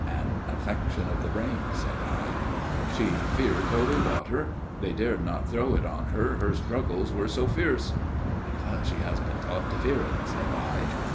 (An affection of the brain, said I.) 40 A MIRROR OF SHALOTT " She feared holy water : they dared not throw it on her, her struggles were so fierce. (Because she has been taught to fear it, said I.)